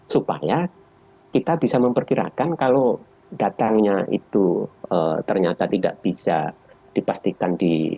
supaya kita bisa memperkirakan kalau datangnya itu ternyata tidak bisa dipastikan di